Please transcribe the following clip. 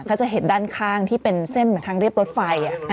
เขาจะเห็นด้านข้างที่เป็นเส้นเหมือนทางเรียบรถไฟ